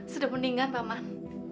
sudah meninggal taman